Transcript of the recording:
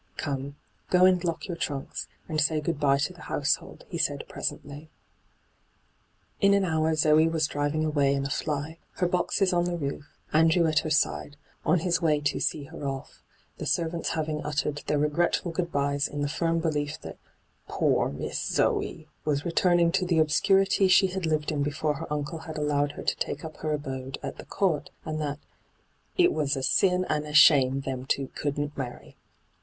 ' Come, go and lock your trunks, and say good bye to the household/ he said presently. In an hour Zoe was driving away in a fly, her boxes on the roof, Andrew at her aide, on his way to ' see her off,' the servants having uttered their regretful good byes in the firm belief that * pore Miss Zoe ' was returnii^ to the obscurity she had lived in before her uncle had allowed her to take up her abode at the Court, and that ' it was a sin and a shame them two couldn't marry.'